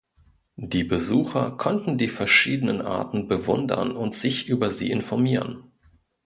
Die Besucher konnten die verschiedenen Arten bewundern und sich über sie informieren.